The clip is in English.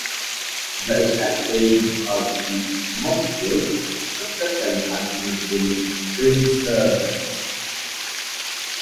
The exact date of the mosques construction has not been preserved.